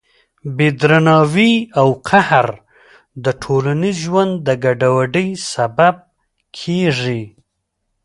بې درناوي او قهر د ټولنیز ژوند د ګډوډۍ سبب کېږي.